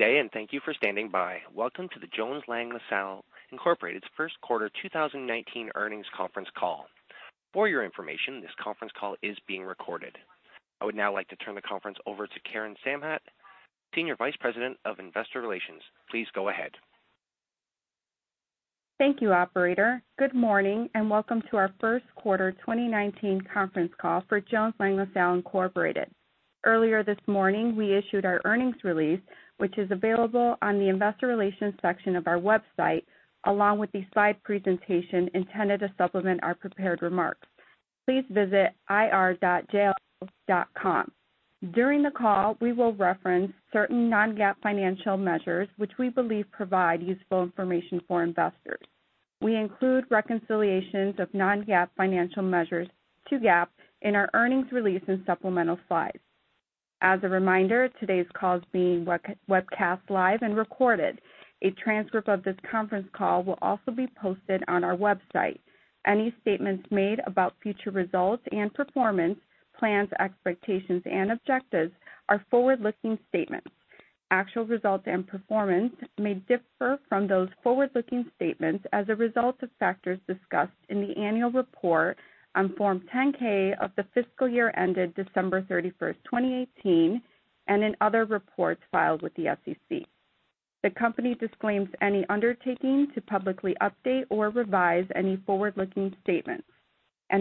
Good day. Thank you for standing by. Welcome to the Jones Lang LaSalle Incorporated's first quarter 2019 earnings conference call. For your information, this conference call is being recorded. I would now like to turn the conference over to Karen Samhat, senior vice president of investor relations. Please go ahead. Thank you, operator. Good morning. Welcome to our first quarter 2019 conference call for Jones Lang LaSalle Incorporated. Earlier this morning, we issued our earnings release, which is available on the investor relations section of our website, along with a slide presentation intended to supplement our prepared remarks. Please visit ir.jll.com. During the call, we will reference certain non-GAAP financial measures which we believe provide useful information for investors. We include reconciliations of non-GAAP financial measures to GAAP in our earnings release and supplemental slides. As a reminder, today's call is being webcast live and recorded. A transcript of this conference call will also be posted on our website. Any statements made about future results and performance, plans, expectations, and objectives are forward-looking statements. Actual results and performance may differ from those forward-looking statements as a result of factors discussed in the annual report on Form 10-K of the fiscal year ended December 31st, 2018, and in other reports filed with the SEC. The company disclaims any undertaking to publicly update or revise any forward-looking statements.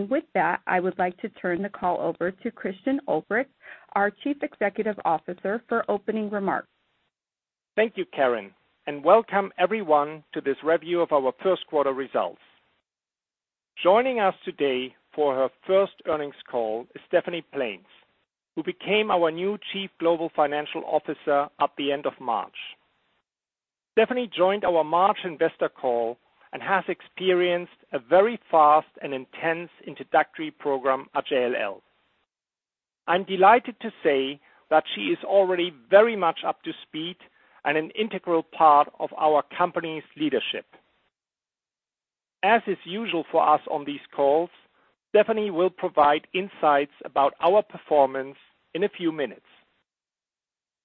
With that, I would like to turn the call over to Christian Ulbrich, our Chief Executive Officer, for opening remarks. Thank you, Karen. Welcome everyone to this review of our first quarter results. Joining us today for her first earnings call is Stephanie Plaines, who became our new Chief Global Financial Officer at the end of March. Stephanie joined our March investor call and has experienced a very fast and intense introductory program at JLL. I'm delighted to say that she is already very much up to speed and an integral part of our company's leadership. As is usual for us on these calls, Stephanie will provide insights about our performance in a few minutes.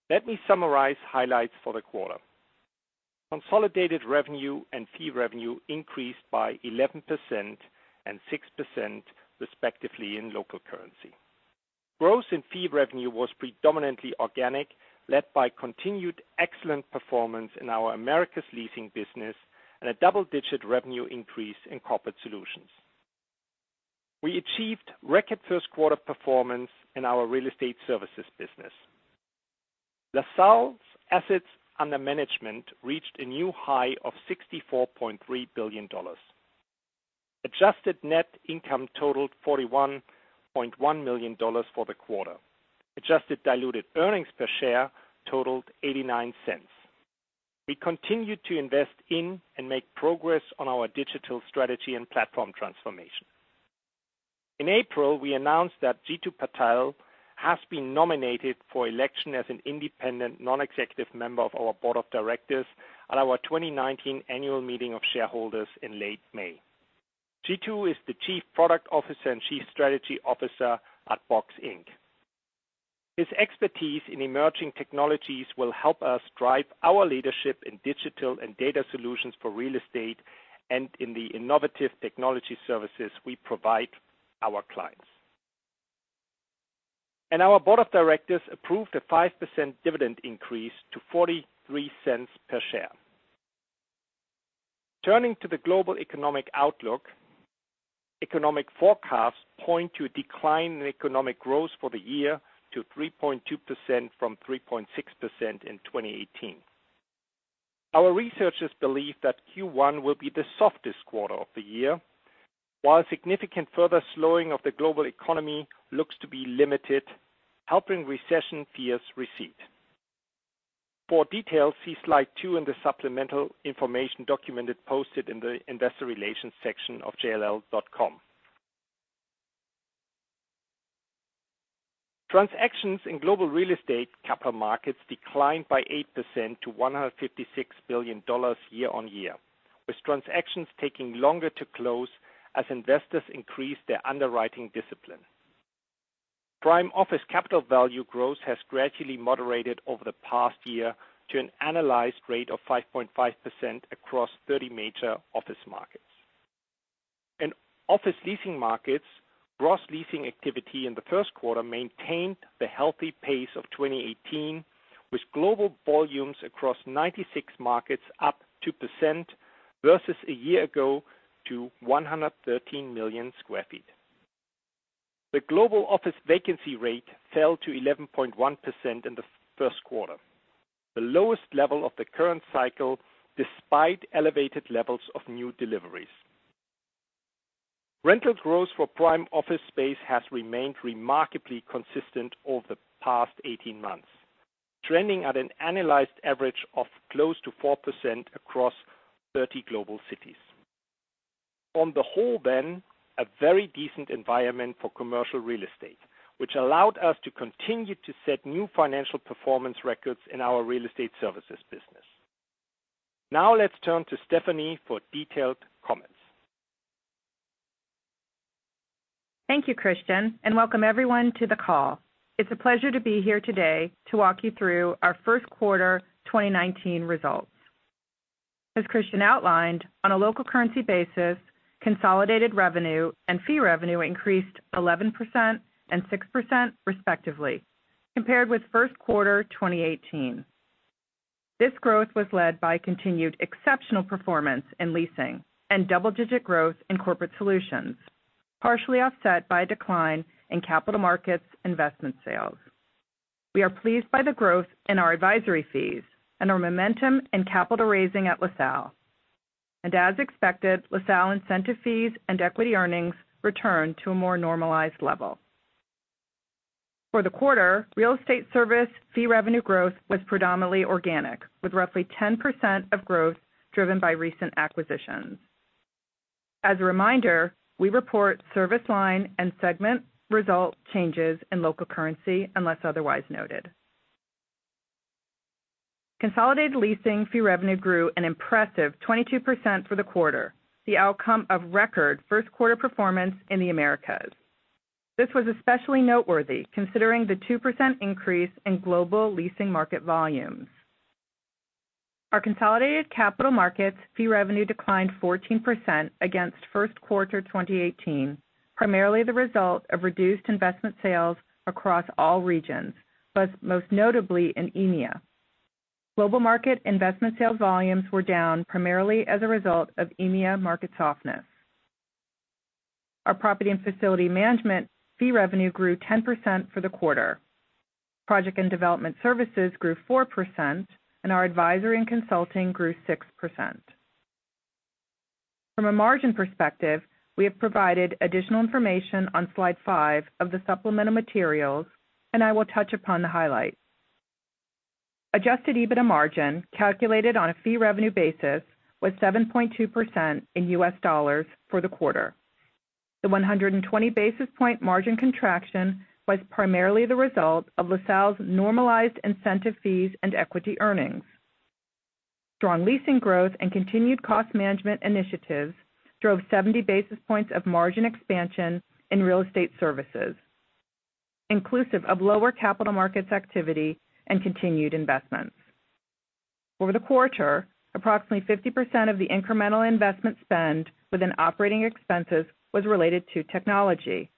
Let me summarize highlights for the quarter. Consolidated revenue and fee revenue increased by 11% and 6%, respectively, in local currency. Growth in fee revenue was predominantly organic, led by continued excellent performance in our Americas leasing business and a double-digit revenue increase in Corporate Solutions. We achieved record first quarter performance in our real estate services business. LaSalle's assets under management reached a new high of $64.3 billion. Adjusted net income totaled $41.1 million for the quarter. Adjusted diluted earnings per share totaled $0.89. We continued to invest in and make progress on our digital strategy and platform transformation. In April, we announced that Jeetu Patel has been nominated for election as an independent non-executive member of our board of directors at our 2019 annual meeting of shareholders in late May. Jeetu is the Chief Product Officer and Chief Strategy Officer at Box, Inc. His expertise in emerging technologies will help us drive our leadership in digital and data solutions for real estate and in the innovative technology services we provide our clients. Our board of directors approved a 5% dividend increase to $0.43 per share. Turning to the global economic outlook, economic forecasts point to a decline in economic growth for the year to 3.2% from 3.6% in 2018. Our researchers believe that Q1 will be the softest quarter of the year, while significant further slowing of the global economy looks to be limited, helping recession fears recede. For details, see slide two in the supplemental information document posted in the investor relations section of jll.com. Transactions in global real estate capital markets declined by 8% to $156 billion year-on-year, with transactions taking longer to close as investors increased their underwriting discipline. Prime office capital value growth has gradually moderated over the past year to an analyzed rate of 5.5% across 30 major office markets. In office leasing markets, gross leasing activity in the first quarter maintained the healthy pace of 2018, with global volumes across 96 markets up 2% versus a year ago to 113 million square feet. The global office vacancy rate fell to 11.1% in the first quarter, the lowest level of the current cycle despite elevated levels of new deliveries. Rental growth for prime office space has remained remarkably consistent over the past 18 months, trending at an annualized average of close to 4% across 30 global cities. On the whole, a very decent environment for commercial real estate, which allowed us to continue to set new financial performance records in our real estate services business. Now let's turn to Stephanie for detailed comments. Thank you, Christian. Welcome everyone to the call. It's a pleasure to be here today to walk you through our first quarter 2019 results. As Christian outlined, on a local currency basis, consolidated revenue and fee revenue increased 11% and 6% respectively, compared with first quarter 2018. This growth was led by continued exceptional performance in leasing and double-digit growth in Corporate Solutions, partially offset by a decline in capital markets investment sales. We are pleased by the growth in our advisory fees and our momentum in capital raising at LaSalle. As expected, LaSalle incentive fees and equity earnings returned to a more normalized level. For the quarter, real estate service fee revenue growth was predominantly organic, with roughly 10% of growth driven by recent acquisitions. As a reminder, we report service line and segment result changes in local currency unless otherwise noted. Consolidated leasing fee revenue grew an impressive 22% for the quarter, the outcome of record first quarter performance in the Americas. This was especially noteworthy considering the 2% increase in global leasing market volumes. Our consolidated capital markets fee revenue declined 14% against first quarter 2018, primarily the result of reduced investment sales across all regions, but most notably in EMEA. Global market investment sales volumes were down primarily as a result of EMEA market softness. Our property and facility management fee revenue grew 10% for the quarter. Project and development services grew 4%, and our advisory and consulting grew 6%. From a margin perspective, we have provided additional information on slide five of the supplemental materials, and I will touch upon the highlights. Adjusted EBITDA margin, calculated on a fee revenue basis, was 7.2% in US dollars for the quarter. The 120 basis point margin contraction was primarily the result of LaSalle's normalized incentive fees and equity earnings. Strong leasing growth and continued cost management initiatives drove 70 basis points of margin expansion in real estate services, inclusive of lower capital markets activity and continued investments. Over the quarter, approximately 50% of the incremental investment spend within operating expenses was related to technology,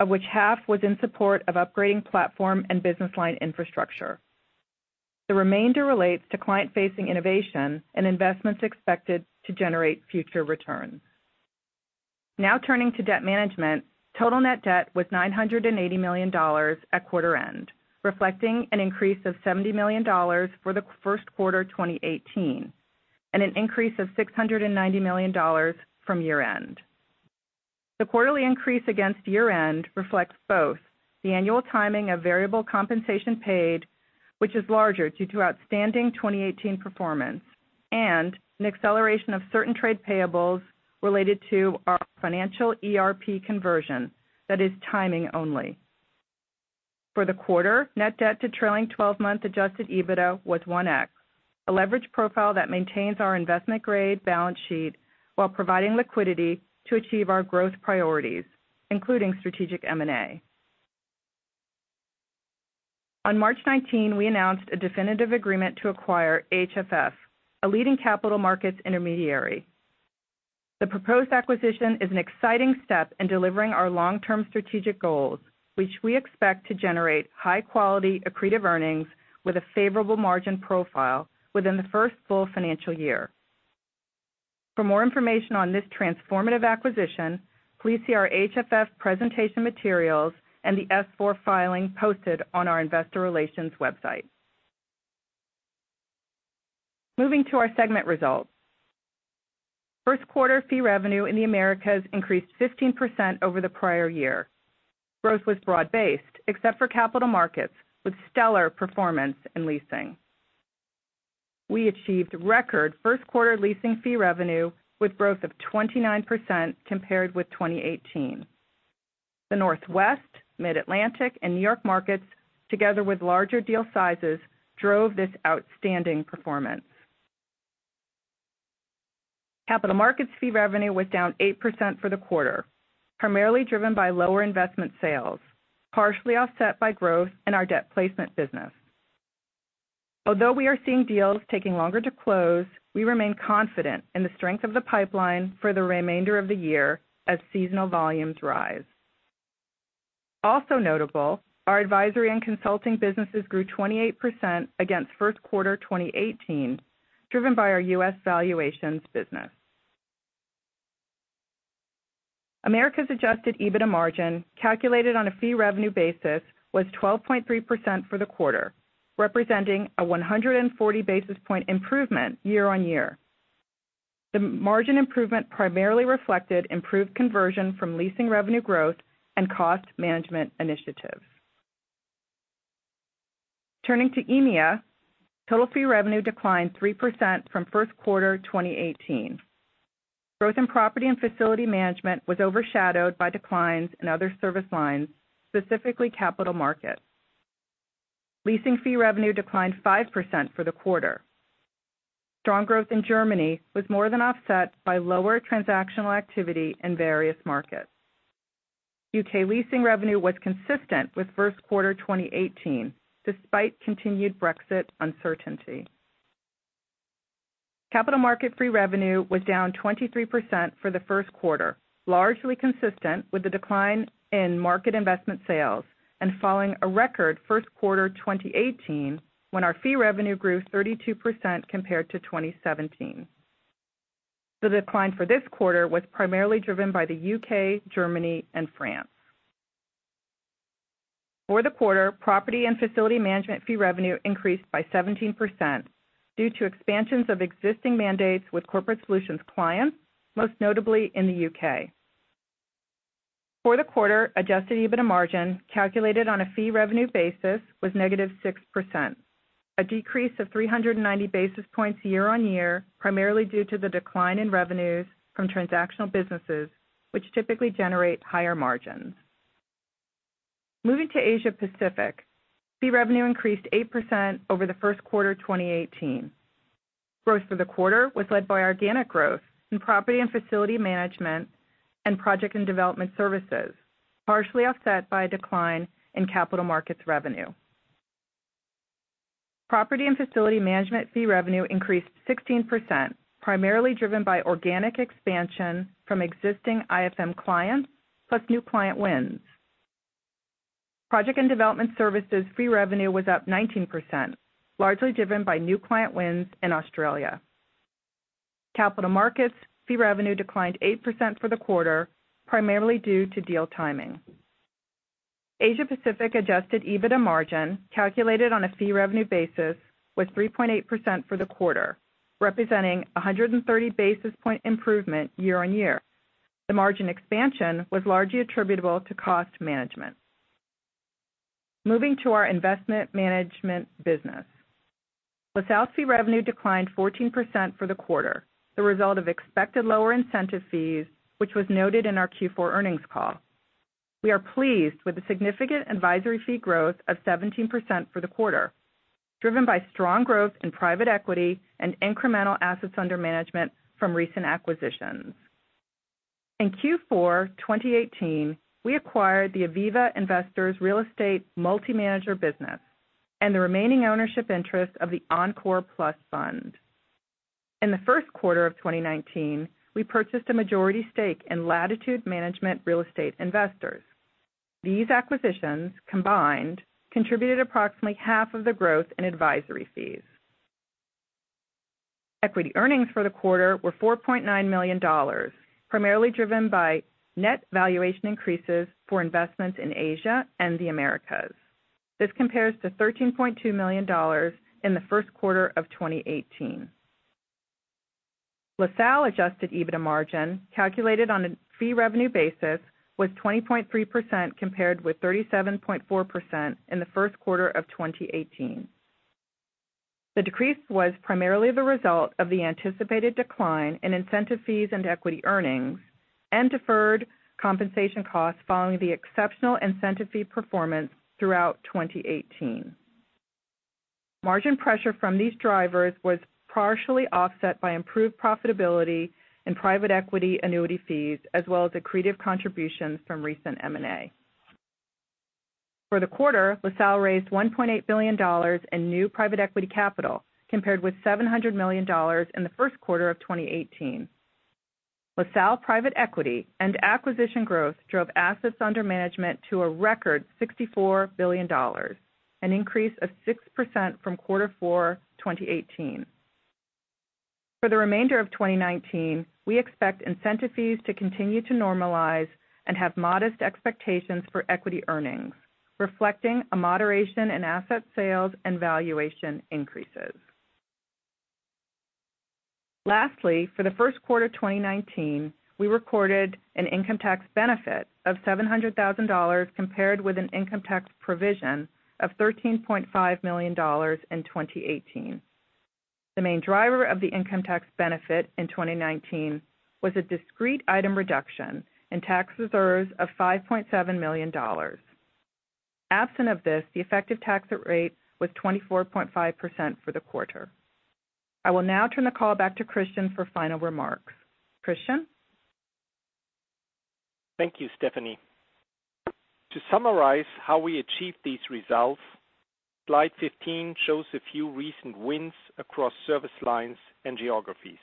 of which half was in support of upgrading platform and business line infrastructure. The remainder relates to client-facing innovation and investments expected to generate future returns. Turning to debt management. Total net debt was $980 million at quarter end, reflecting an increase of $70 million for the first quarter 2018, and an increase of $690 million from year end. The quarterly increase against year end reflects both the annual timing of variable compensation paid, which is larger due to outstanding 2018 performance, and an acceleration of certain trade payables related to our financial ERP conversion that is timing only. For the quarter, net debt to trailing 12-month adjusted EBITDA was 1x, a leverage profile that maintains our investment-grade balance sheet while providing liquidity to achieve our growth priorities, including strategic M&A. On March 19, we announced a definitive agreement to acquire HFF, a leading capital markets intermediary. The proposed acquisition is an exciting step in delivering our long-term strategic goals, which we expect to generate high-quality accretive earnings with a favorable margin profile within the first full financial year. For more information on this transformative acquisition, please see our HFF presentation materials and the S-4 filing posted on our investor relations website. Moving to our segment results. First quarter fee revenue in the Americas increased 15% over the prior year. Growth was broad-based, except for capital markets, with stellar performance in leasing. We achieved record first quarter leasing fee revenue with growth of 29% compared with 2018. The Northwest, Mid-Atlantic, and New York markets, together with larger deal sizes, drove this outstanding performance. Capital markets fee revenue was down 8% for the quarter, primarily driven by lower investment sales, partially offset by growth in our debt placement business. Although we are seeing deals taking longer to close, we remain confident in the strength of the pipeline for the remainder of the year as seasonal volumes rise. Also notable, our advisory and consulting businesses grew 28% against first quarter 2018, driven by our U.S. valuations business. Americas adjusted EBITDA margin, calculated on a fee revenue basis, was 12.3% for the quarter, representing a 140 basis point improvement year-on-year. The margin improvement primarily reflected improved conversion from leasing revenue growth and cost management initiatives. Turning to EMEA, total fee revenue declined 3% from first quarter 2018. Growth in property and facility management was overshadowed by declines in other service lines, specifically capital markets. Leasing fee revenue declined 5% for the quarter. Strong growth in Germany was more than offset by lower transactional activity in various markets. U.K. leasing revenue was consistent with first quarter 2018, despite continued Brexit uncertainty. Capital market fee revenue was down 23% for the first quarter, largely consistent with the decline in market investment sales and following a record first quarter 2018, when our fee revenue grew 32% compared to 2017. The decline for this quarter was primarily driven by the U.K., Germany and France. For the quarter, property and facility management fee revenue increased by 17% due to expansions of existing mandates with Corporate Solutions clients, most notably in the U.K. For the quarter, adjusted EBITDA margin, calculated on a fee revenue basis, was negative 6%, a decrease of 390 basis points year-on-year, primarily due to the decline in revenues from transactional businesses, which typically generate higher margins. Moving to Asia Pacific. Fee revenue increased 8% over the first quarter 2018. Growth for the quarter was led by organic growth in property and facility management and project and development services, partially offset by a decline in capital markets revenue. Property and facility management fee revenue increased 16%, primarily driven by organic expansion from existing IFM clients, plus new client wins. Project and development services fee revenue was up 19%, largely driven by new client wins in Australia. Capital markets fee revenue declined 8% for the quarter, primarily due to deal timing. Asia Pacific adjusted EBITDA margin, calculated on a fee revenue basis, was 3.8% for the quarter, representing 130 basis point improvement year-on-year. The margin expansion was largely attributable to cost management. Moving to our investment management business. LaSalle fee revenue declined 14% for the quarter, the result of expected lower incentive fees, which was noted in our Q4 earnings call. We are pleased with the significant advisory fee growth of 17% for the quarter, driven by strong growth in private equity and incremental assets under management from recent acquisitions. In Q4 2018, we acquired the Aviva Investors Real Estate Multi-Manager business and the remaining ownership interest of the LaSalle Encore+ fund. In the first quarter of 2019, we purchased a majority stake in Latitude Management Real Estate Investors. These acquisitions, combined, contributed approximately half of the growth in advisory fees. Equity earnings for the quarter were $4.9 million, primarily driven by net valuation increases for investments in Asia and the Americas. This compares to $13.2 million in the first quarter of 2018. LaSalle adjusted EBITDA margin, calculated on a fee revenue basis, was 20.3%, compared with 37.4% in the first quarter of 2018. The decrease was primarily the result of the anticipated decline in incentive fees and equity earnings and deferred compensation costs following the exceptional incentive fee performance throughout 2018. Margin pressure from these drivers was partially offset by improved profitability in private equity annuity fees, as well as accretive contributions from recent M&A. For the quarter, LaSalle raised $1.8 billion in new private equity capital, compared with $700 million in the first quarter of 2018. LaSalle private equity and acquisition growth drove assets under management to a record $64 billion, an increase of 6% from quarter four 2018. For the remainder of 2019, we expect incentive fees to continue to normalize and have modest expectations for equity earnings, reflecting a moderation in asset sales and valuation increases. Lastly, for the first quarter 2019, we recorded an income tax benefit of $700,000 compared with an income tax provision of $13.5 million in 2018. The main driver of the income tax benefit in 2019 was a discrete item reduction in tax reserves of $5.7 million. Absent of this, the effective tax rate was 24.5% for the quarter. I will now turn the call back to Christian for final remarks. Christian? Thank you, Stephanie. To summarize how we achieved these results, slide 15 shows a few recent wins across service lines and geographies.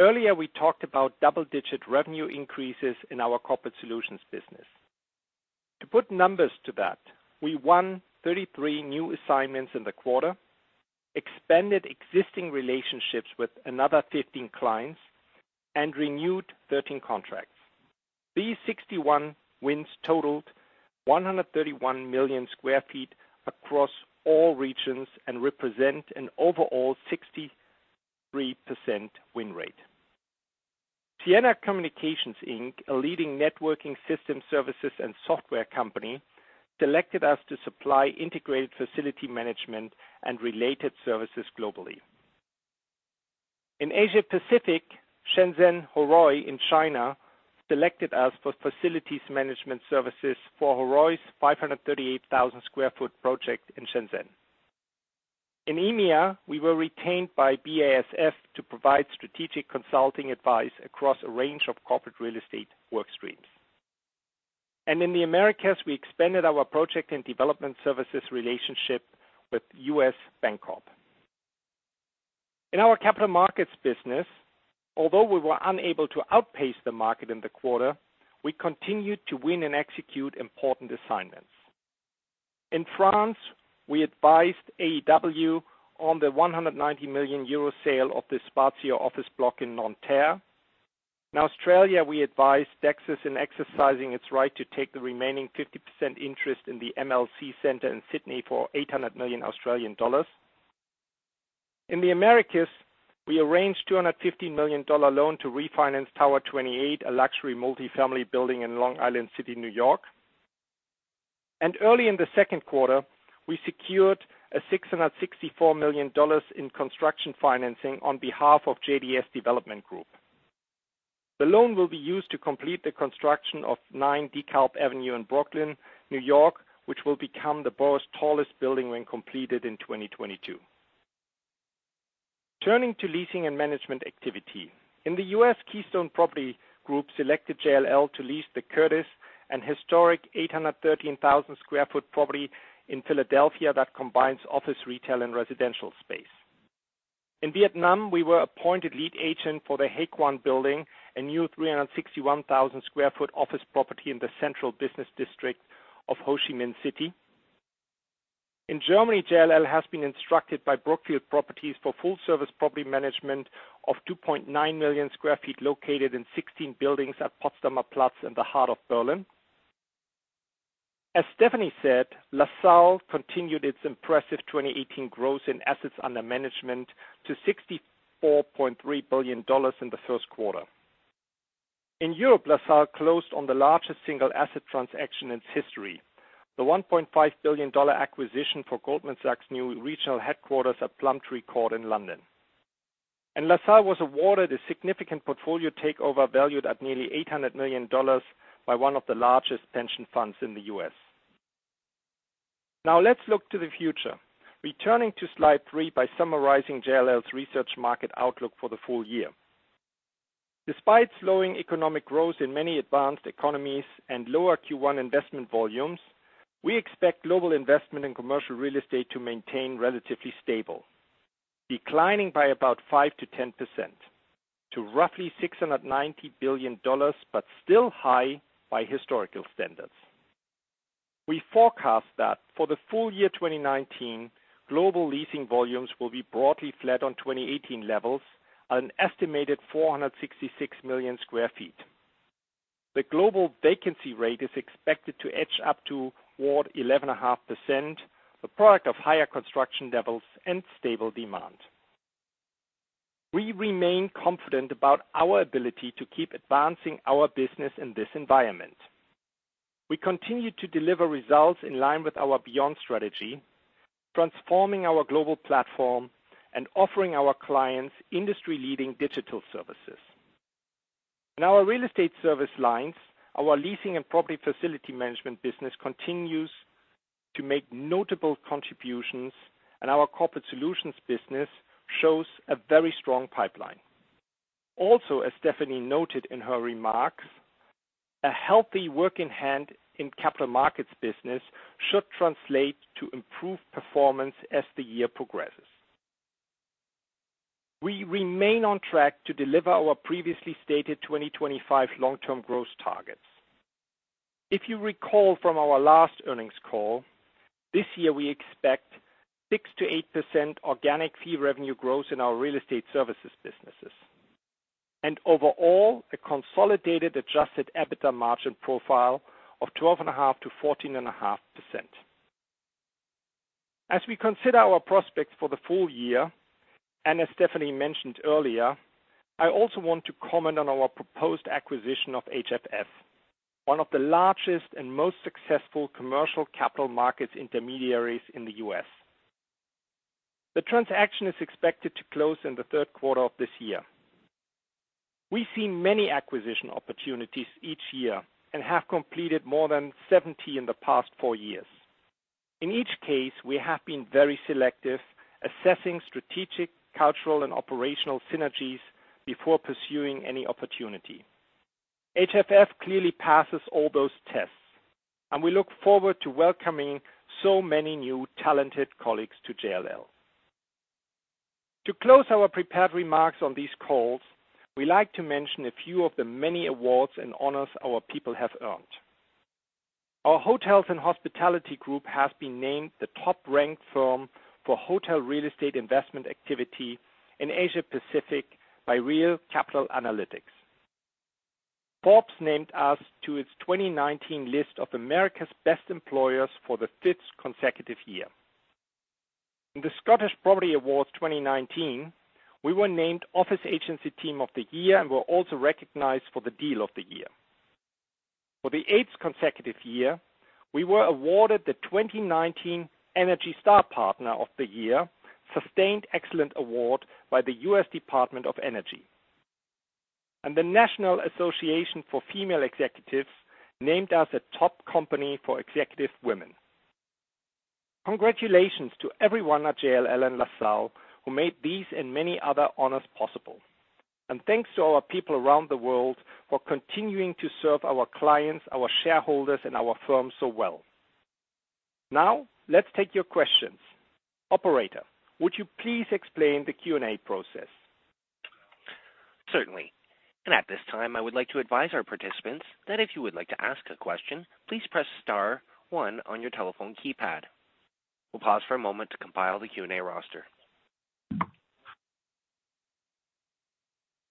Earlier, we talked about double-digit revenue increases in our Corporate Solutions business. To put numbers to that, we won 33 new assignments in the quarter, expanded existing relationships with another 15 clients, and renewed 13 contracts. These 61 wins totaled 131 million square feet across all regions and represent an overall 63% win rate. Ciena Communications Inc., a leading networking system, services, and software company, selected us to supply integrated facility management and related services globally. In Asia-Pacific, Shenzhen Horoy in China selected us for facilities management services for Horoy's 538,000 square foot project in Shenzhen. In EMEA, we were retained by BASF to provide strategic consulting advice across a range of Corporate Real Estate work streams. In the Americas, we expanded our project and development services relationship with U.S. Bancorp. In our capital markets business, although we were unable to outpace the market in the quarter, we continued to win and execute important assignments. In France, we advised AEW on the 190 million euro sale of the Spazio office block in Nanterre. In Australia, we advised Dexus in exercising its right to take the remaining 50% interest in the MLC Centre in Sydney for 800 million Australian dollars. In the Americas, we arranged $250 million loan to refinance Tower 28, a luxury multi-family building in Long Island City, New York. Early in the second quarter, we secured $664 million in construction financing on behalf of JDS Development Group. The loan will be used to complete the construction of 9 DeKalb Avenue in Brooklyn, New York, which will become the borough's tallest building when completed in 2022. Turning to leasing and management activity. In the U.S., Keystone Property Group selected JLL to lease the Curtis, an historic 813,000 square foot property in Philadelphia that combines office, retail, and residential space. In Vietnam, we were appointed lead agent for the Hakwon Building, a new 361,000 square foot office property in the central business district of Ho Chi Minh City. In Germany, JLL has been instructed by Brookfield Properties for full service property management of 2.9 million square feet located in 16 buildings at Potsdamer Platz in the heart of Berlin. As Stephanie said, LaSalle continued its impressive 2018 growth in assets under management to $64.3 billion in the first quarter. LaSalle closed on the largest single asset transaction in its history, the $1.5 billion acquisition for Goldman Sachs' new regional headquarters at Plumtree Court in London. LaSalle was awarded a significant portfolio takeover valued at nearly $800 million by one of the largest pension funds in the U.S. Let's look to the future. Returning to slide three by summarizing JLL's research market outlook for the full year. Despite slowing economic growth in many advanced economies and lower Q1 investment volumes, we expect global investment in commercial real estate to maintain relatively stable, declining by about 5%-10%, to roughly $690 billion, but still high by historical standards. We forecast that for the full year 2019, global leasing volumes will be broadly flat on 2018 levels, an estimated 466 million sq ft. The global vacancy rate is expected to edge up toward 11.5%, a product of higher construction levels and stable demand. We remain confident about our ability to keep advancing our business in this environment. We continue to deliver results in line with our Beyond strategy, transforming our global platform and offering our clients industry-leading digital services. In our real estate service lines, our leasing and property facility management business continues to make notable contributions, and our Corporate Solutions business shows a very strong pipeline. As Stephanie noted in her remarks, a healthy work in hand in capital markets business should translate to improved performance as the year progresses. We remain on track to deliver our previously stated 2025 long-term growth targets. If you recall from our last earnings call, this year we expect 6%-8% organic fee revenue growth in our real estate services businesses. Overall, a consolidated adjusted EBITDA margin profile of 12.5%-14.5%. As we consider our prospects for the full year, as Stephanie mentioned earlier, I also want to comment on our proposed acquisition of HFF, one of the largest and most successful commercial capital markets intermediaries in the U.S. The transaction is expected to close in the third quarter of this year. We see many acquisition opportunities each year and have completed more than 70 in the past four years. In each case, we have been very selective, assessing strategic, cultural, and operational synergies before pursuing any opportunity. HFF clearly passes all those tests, and we look forward to welcoming so many new talented colleagues to JLL. To close our prepared remarks on these calls, we like to mention a few of the many awards and honors our people have earned. Our hotels and hospitality group has been named the top-ranked firm for hotel real estate investment activity in Asia-Pacific by Real Capital Analytics. Forbes named us to its 2019 list of America's best employers for the fifth consecutive year. In the Scottish Property Awards 2019, we were named Office Agency Team of the Year and were also recognized for the Deal of the Year. For the eighth consecutive year, we were awarded the 2019 ENERGY STAR Partner of the Year Sustained Excellence Award by the U.S. Department of Energy. The National Association for Female Executives named us a top company for executive women. Congratulations to everyone at JLL and LaSalle who made these and many other honors possible. Thanks to our people around the world for continuing to serve our clients, our shareholders, and our firm so well. Let's take your questions. Operator, would you please explain the Q&A process? Certainly. At this time, I would like to advise our participants that if you would like to ask a question, please press star one on your telephone keypad. We'll pause for a moment to compile the Q&A roster.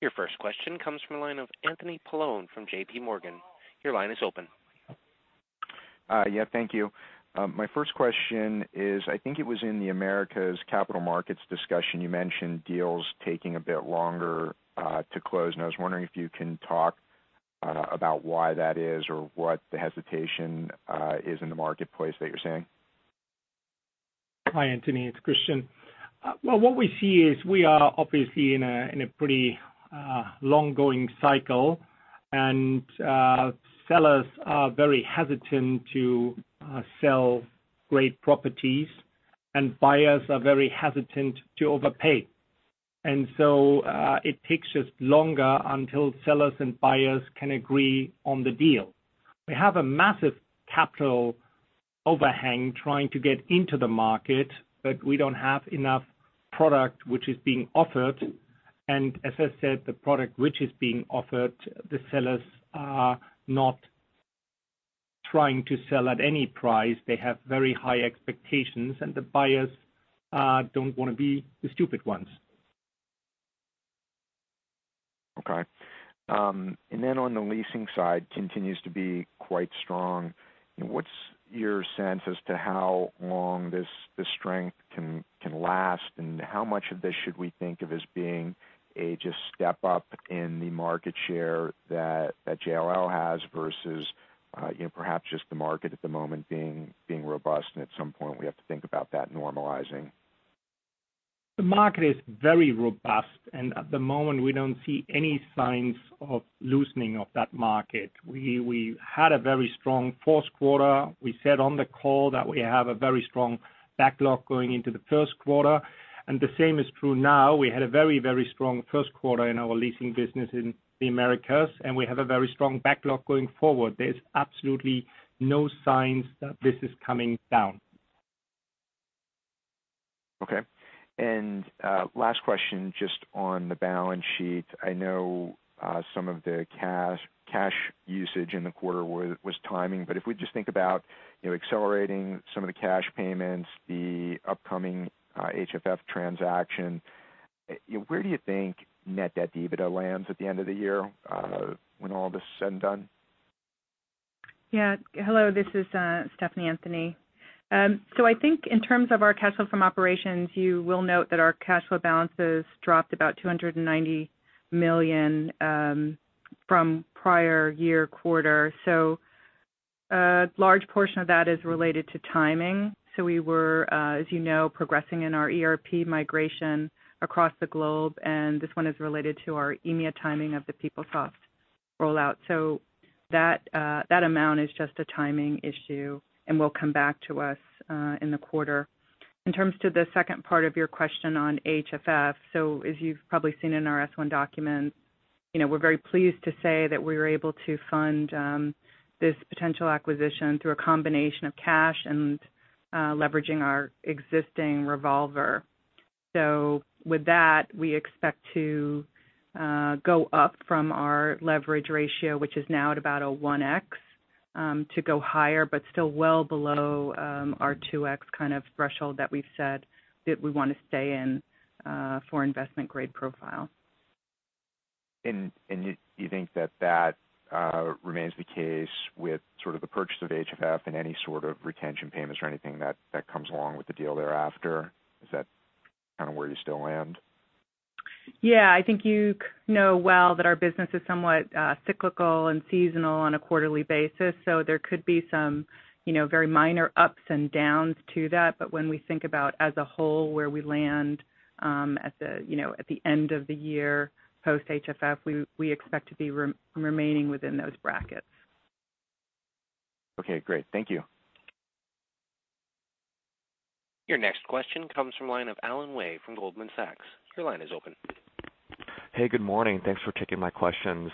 Your first question comes from the line of Anthony Paolone from J.P. Morgan. Your line is open. Yeah, thank you. My first question is, I think it was in the Americas capital markets discussion, you mentioned deals taking a bit longer to close. I was wondering if you can talk about why that is or what the hesitation is in the marketplace that you're seeing. Hi, Anthony. It's Christian. Well, what we see is we are obviously in a pretty long-going cycle. Sellers are very hesitant to sell great properties. Buyers are very hesitant to overpay. So it takes us longer until sellers and buyers can agree on the deal. We have a massive capital overhang trying to get into the market, but we don't have enough product which is being offered. As I said, the product which is being offered, the sellers are not trying to sell at any price. They have very high expectations. The buyers don't want to be the stupid ones. Okay. On the leasing side, continues to be quite strong. What's your sense as to how long this strength can last, and how much of this should we think of as being a just step up in the market share that JLL has versus perhaps just the market at the moment being robust, and at some point, we have to think about that normalizing? The market is very robust, at the moment, we don't see any signs of loosening of that market. We had a very strong fourth quarter. We said on the call that we have a very strong backlog going into the first quarter, the same is true now. We had a very strong first quarter in our leasing business in the Americas, we have a very strong backlog going forward. There's absolutely no signs that this is coming down. Okay. Last question, just on the balance sheet. I know some of the cash usage in the quarter was timing. If we just think about accelerating some of the cash payments, the upcoming HFF transaction, where do you think net debt to EBITDA lands at the end of the year when all this is said and done? Yeah. Hello, this is Stephanie Plaines. I think in terms of our cash flow from operations, you will note that our cash flow balances dropped about $290 million from prior year quarter. A large portion of that is related to timing. We were, as you know, progressing in our ERP migration across the globe, this one is related to our EMEA timing of the PeopleSoft rollout. That amount is just a timing issue and will come back to us in the quarter. In terms to the second part of your question on HFF, as you've probably seen in our S-1 documents, we're very pleased to say that we were able to fund this potential acquisition through a combination of cash and leveraging our existing revolver. With that, we expect to go up from our leverage ratio, which is now at about a 1x to go higher, but still well below our 2x kind of threshold that we've said that we want to stay in for investment grade profile. You think that remains the case with sort of the purchase of HFF and any sort of retention payments or anything that comes along with the deal thereafter? Is that kind of where you still land? Yeah, I think you know well that our business is somewhat cyclical and seasonal on a quarterly basis, so there could be some very minor ups and downs to that. But when we think about as a whole where we land at the end of the year post HFF, we expect to be remaining within those brackets. Okay, great. Thank you. Your next question comes from the line of Alan Way from Goldman Sachs. Your line is open. Hey, good morning. Thanks for taking my questions.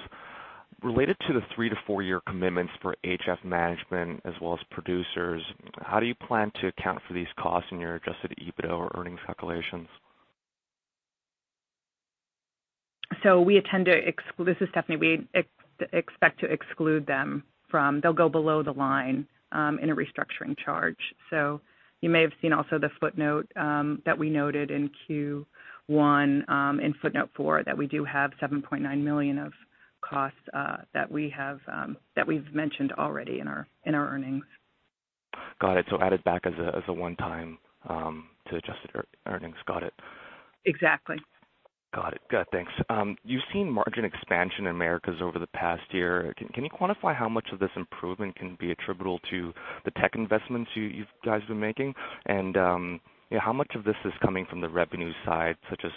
Related to the three to four-year commitments for HF Management as well as producers, how do you plan to account for these costs in your adjusted EBITDA or earnings calculations? This is Stephanie. We expect to exclude them. They'll go below the line in a restructuring charge. You may have seen also the footnote that we noted in Q1 in footnote four that we do have $7.9 million of costs that we've mentioned already in our earnings. Got it. Added back as a one time to adjusted earnings. Got it. Exactly. Got it. Good. Thanks. You've seen margin expansion in Americas over the past year. Can you quantify how much of this improvement can be attributable to the tech investments you guys have been making? How much of this is coming from the revenue side, such as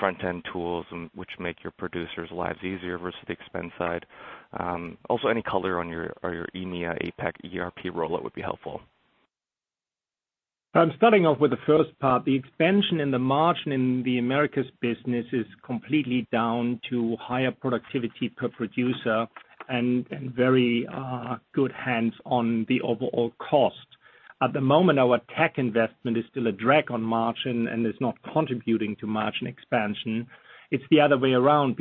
front end tools, which make your producers' lives easier versus the expense side? Also, any color on your EMEA, APAC, ERP rollout would be helpful. Starting off with the first part, the expansion in the margin in the Americas business is completely down to higher productivity per producer and very good hands on the overall cost. At the moment, our tech investment is still a drag on margin and is not contributing to margin expansion. It's the other way around.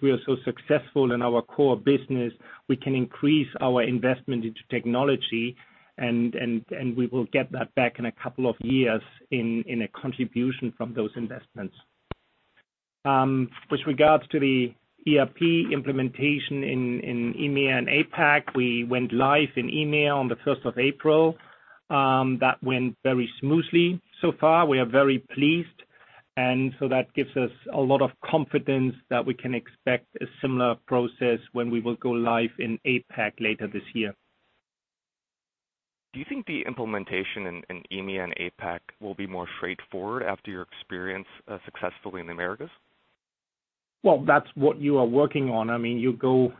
We are so successful in our core business, we can increase our investment into technology, and we will get that back in a couple of years in a contribution from those investments. With regards to the ERP implementation in EMEA and APAC, we went live in EMEA on the 1st of April. That went very smoothly so far. We are very pleased, so that gives us a lot of confidence that we can expect a similar process when we will go live in APAC later this year. Do you think the implementation in EMEA and APAC will be more straightforward after your experience successfully in Americas? That's what you are working on. You go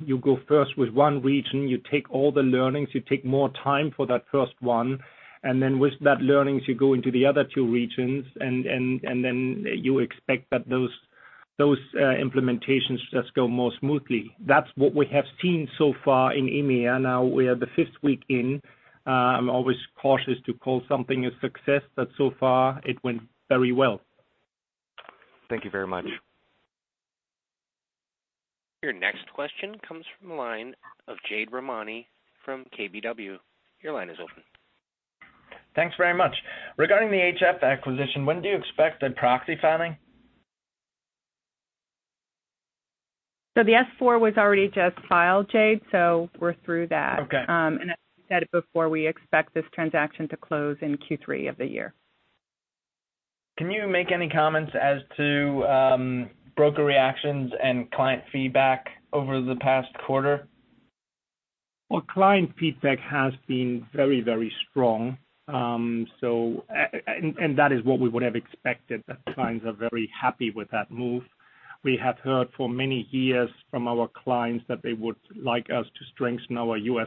first with one region. You take all the learnings. You take more time for that first one, with that learnings, you go into the other two regions, you expect that those implementations just go more smoothly. That's what we have seen so far in EMEA. Now we are the fifth week in. I'm always cautious to call something a success, but so far it went very well. Thank you very much. Your next question comes from the line of Jade Rahmani from KBW. Your line is open. Thanks very much. Regarding the HFF acquisition, when do you expect a proxy filing? The S-4 was already just filed, Jade. We're through that. Okay. As we said it before, we expect this transaction to close in Q3 of the year. Can you make any comments as to broker reactions and client feedback over the past quarter? Well, client feedback has been very, very strong. That is what we would have expected, that clients are very happy with that move. We have heard for many years from our clients that they would like us to strengthen our U.S.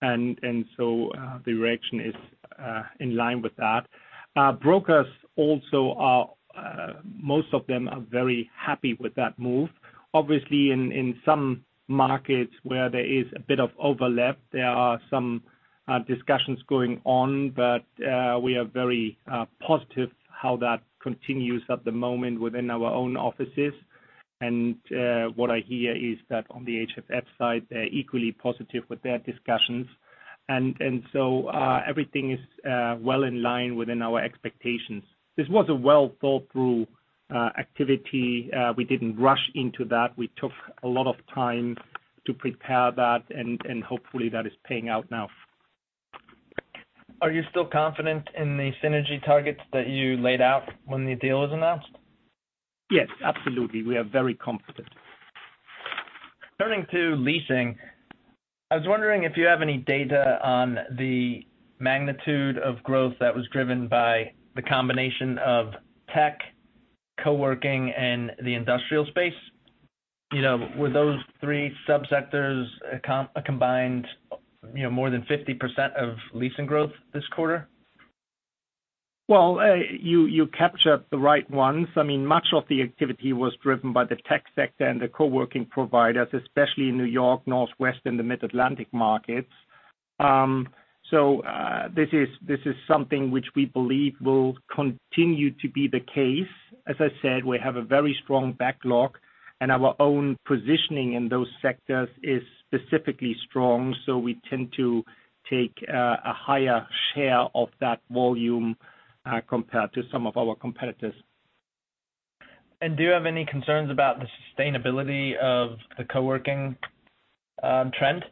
platform, so the reaction is in line with that. Brokers also, most of them are very happy with that move. Obviously, in some markets where there is a bit of overlap, there are some discussions going on. We are very positive how that continues at the moment within our own offices. What I hear is that on the HFF side, they're equally positive with their discussions. Everything is well in line within our expectations. This was a well-thought-through activity. We didn't rush into that. We took a lot of time to prepare that, and hopefully that is paying out now. Are you still confident in the synergy targets that you laid out when the deal was announced? Yes, absolutely. We are very confident. Turning to leasing, I was wondering if you have any data on the magnitude of growth that was driven by the combination of tech, co-working, and the industrial space. Were those three sub-sectors a combined more than 50% of leasing growth this quarter? You captured the right ones. Much of the activity was driven by the tech sector and the co-working providers, especially in New York, Northwest, and the Mid-Atlantic markets. This is something which we believe will continue to be the case. As I said, we have a very strong backlog, our own positioning in those sectors is specifically strong, we tend to take a higher share of that volume compared to some of our competitors. Do you have any concerns about the sustainability of the co-working trend?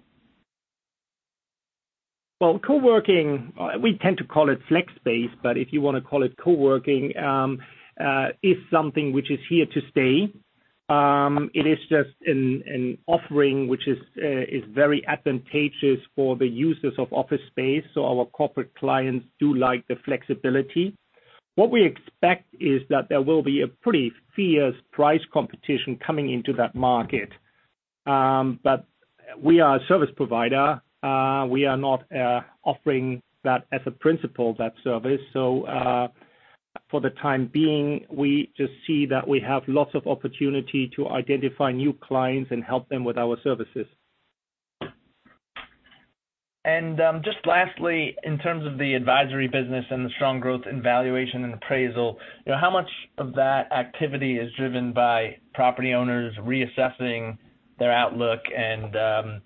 Co-working, we tend to call it flex space, but if you want to call it co-working, is something which is here to stay. It is just an offering which is very advantageous for the users of office space. Our corporate clients do like the flexibility. What we expect is that there will be a pretty fierce price competition coming into that market. We are a service provider. We are not offering that as a principle, that service. For the time being, we just see that we have lots of opportunity to identify new clients and help them with our services. Just lastly, in terms of the advisory business and the strong growth in valuation and appraisal, how much of that activity is driven by property owners reassessing their outlook and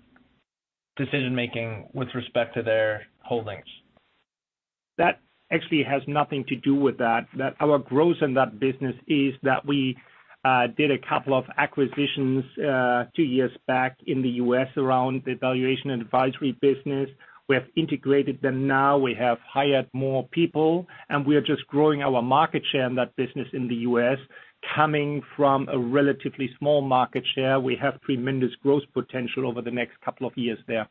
decision making with respect to their holdings? That actually has nothing to do with that. Our growth in that business is that we did a couple of acquisitions two years back in the U.S. around the valuation and advisory business. We have integrated them now, we have hired more people, and we are just growing our market share in that business in the U.S. Coming from a relatively small market share, we have tremendous growth potential over the next couple of years there.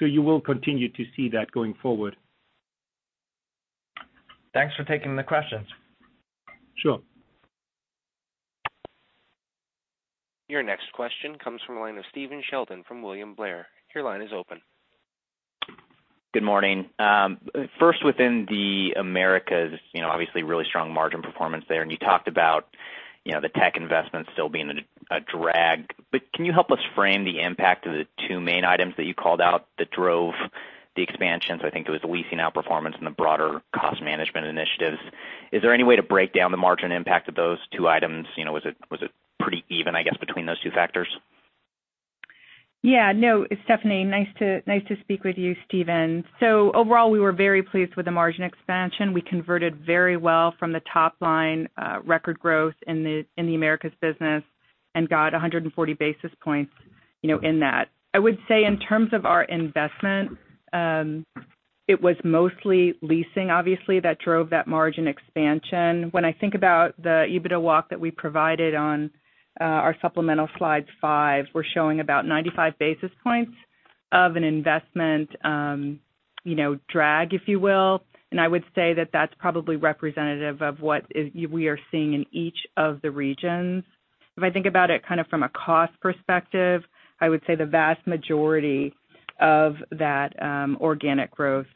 You will continue to see that going forward. Thanks for taking the questions. Sure. Your next question comes from the line of Stephen Sheldon from William Blair. Your line is open. Good morning. First, within the Americas, obviously really strong margin performance there, and you talked about the tech investments still being a drag. Can you help us frame the impact of the two main items that you called out that drove the expansions? I think it was the leasing outperformance and the broader cost management initiatives. Is there any way to break down the margin impact of those two items? Was it pretty even, I guess, between those two factors? Yeah, no. It's Stephanie. Nice to speak with you, Stephen. Overall, we were very pleased with the margin expansion. We converted very well from the top line record growth in the Americas business and got 140 basis points in that. I would say in terms of our investment, it was mostly leasing, obviously, that drove that margin expansion. When I think about the EBITDA walk that we provided on our supplemental slide five, we're showing about 95 basis points of an investment drag, if you will. I would say that that's probably representative of what we are seeing in each of the regions. If I think about it kind of from a cost perspective, I would say the vast majority of that organic growth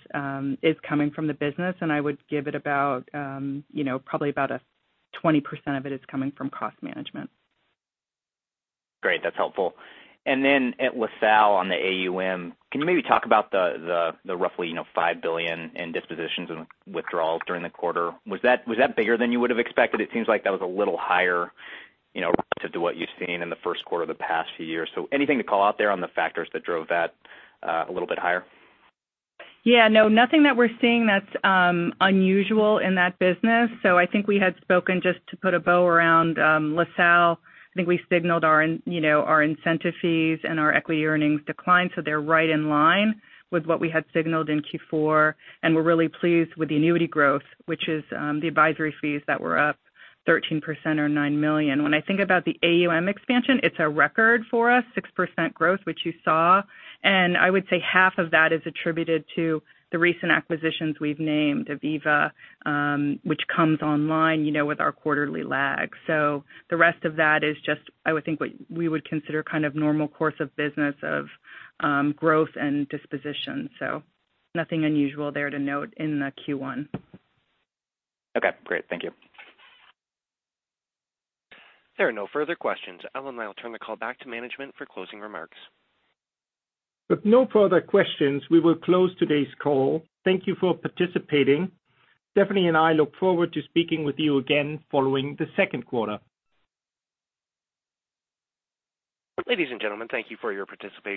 is coming from the business, and I would give it about probably about 20% of it is coming from cost management. Great. That's helpful. Then at LaSalle on the AUM, can you maybe talk about the roughly $5 billion in dispositions and withdrawals during the quarter? Was that bigger than you would have expected? It seems like that was a little higher, relative to what you've seen in the first quarter of the past few years. Anything to call out there on the factors that drove that a little bit higher? Yeah, no, nothing that we're seeing that's unusual in that business. I think we had spoken just to put a bow around LaSalle. I think we signaled our incentive fees and our equity earnings declined, so they're right in line with what we had signaled in Q4, and we're really pleased with the annuity growth, which is the advisory fees that were up 13% or $9 million. When I think about the AUM expansion, it's a record for us, 6% growth, which you saw, and I would say half of that is attributed to the recent acquisitions we've named, Aviva which comes online with our quarterly lag. The rest of that is just, I would think, what we would consider kind of normal course of business of growth and disposition. Nothing unusual there to note in the Q1. Okay, great. Thank you. There are no further questions. Alan, I will turn the call back to management for closing remarks. With no further questions, we will close today's call. Thank you for participating. Stephanie and I look forward to speaking with you again following the second quarter. Ladies and gentlemen, thank you for your participation